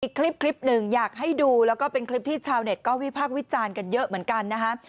อีกคลิปหนึ่งอยากให้ดูแล้วก็เป็นคลิปที่ชาวเน็ตก็วิพากษ์วิจารณ์กันเยอะเหมือนกันนะฮะ